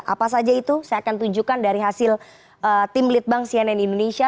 apa saja itu saya akan tunjukkan dari hasil tim litbang cnn indonesia